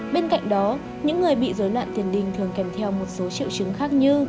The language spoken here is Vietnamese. bên cạnh đó những người bị dối loạn tiền đình thường kèm theo một số triệu chứng khác như